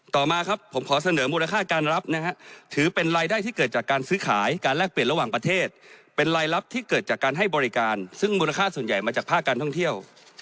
ต่อมาครับผมขอเสนอมูลค่าการรับนะฮะถือเป็นรายได้ที่เกิดจากการซื้อขายการแลกเปลี่ยนระหว่างประเทศเป็นรายรับที่เกิดจากการให้บริการซึ่งมูลค่าส่วนใหญ่มาจากภาคการท่องเที่ยว